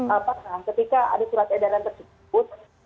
apa nah ketika ada surat edaran tersebut